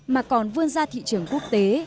mà còn vươn ra thị trường quốc tế